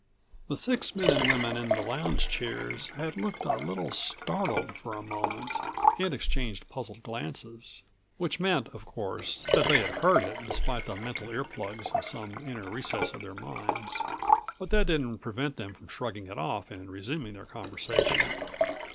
The six men and women in the lounge chairs had looked a little startled for a moment and exchanged puzzled glances. Which meant, of course, that they had heard it despite the mental earplugs in some inner recess of their minds. But that didn't prevent them from shrugging it off and resuming their conversation.